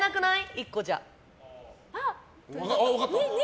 １個じゃ。